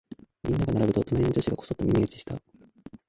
みんなが並ぶと、隣の女子がこそっと耳打ちした。